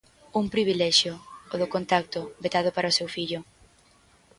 Un privilexio, o do contacto, vetado para o seu fillo.